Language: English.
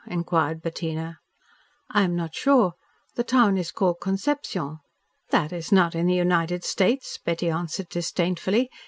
inquired Bettina. "I am not sure. The town is called Concepcion." "That is not in the United States," Betty answered disdainfully.